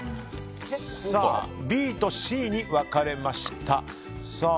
ＢとＣに分かれました。